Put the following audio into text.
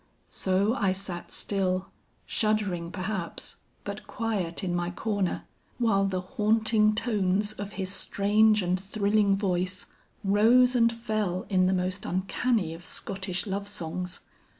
So I sat still, shuddering perhaps, but quiet in my corner; while the haunting tones of his strange and thrilling voice, rose and fell in the most uncanny of Scottish love songs.